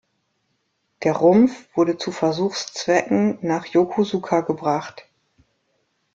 Der Rumpf wurde zu Versuchszwecken nach Yokosuka gebracht.